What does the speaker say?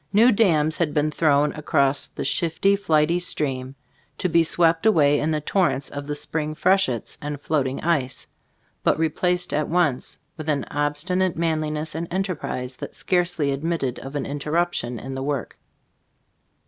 New dams had been thrown across the shifty, flighty stream, to be swept away in the tor rents of the spring freshets and float ing ice, but replaced at once with an obstinate manliness and enterprise that scarcely admitted of an interrup tion in the work.